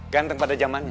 ganteng pada zamannya